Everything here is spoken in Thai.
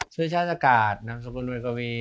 ชื่อชาติอากาศนมศกุลงุรกวิ